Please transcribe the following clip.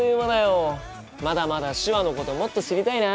まだまだ手話のこともっと知りたいな。